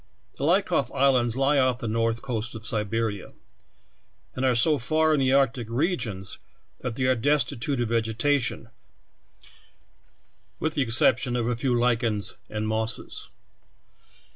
The Liakhov Islands lie off the north coast of Siberia, FROZEN FO AN ICE FLOE. 39 and are so far in the arctie regions that they are destitute of vegetation, with the exception of a few lichens and mosses.